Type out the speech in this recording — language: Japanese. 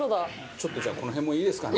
ちょっとじゃあこの辺もいいですかね？